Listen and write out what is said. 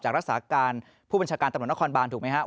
รักษาการผู้บัญชาการตำรวจนครบานถูกไหมครับ